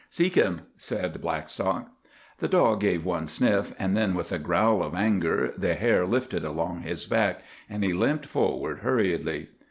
"Seek him," said Blackstock. The dog gave one sniff, and then with a growl of anger the hair lifted along his back, and he limped forward hurriedly.